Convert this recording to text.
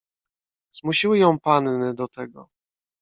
"Zmusiły ją panny do tego."